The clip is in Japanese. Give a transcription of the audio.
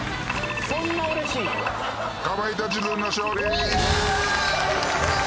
かまいたち軍の勝利！